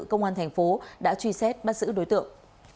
công an thành phố đã truy xét bắt giữ đối tượng